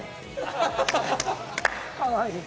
かわいい。